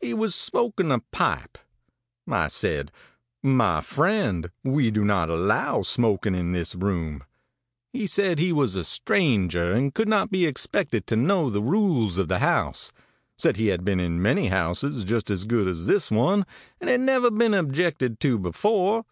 He was smoking a pipe. I said, 'My friend, we do not allow smoking in this room.' He said he was a stranger, and could not be expected to know the rules of the house: said he had been in many houses just as good as this one, and it had never been objected to before.